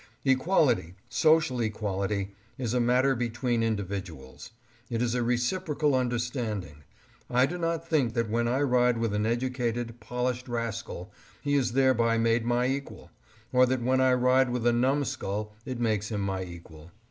Equality, social equality, is a matter between individuals. It is a reciprocal understanding. I do not think that when I ride with an educated, polished rascal he is thereby made my equal, or that when I ride with a numskull it makes him my equal.